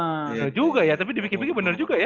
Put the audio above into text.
bener juga ya tapi di pikir pikir bener juga ya